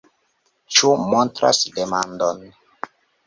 Ĉu montras demandon.